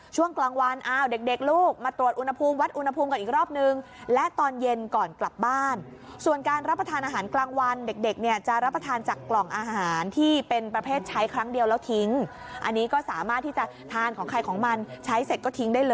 ช่วงกลางวันอ้าวเด็กลูก